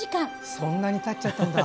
そんなにたっちゃったんだ。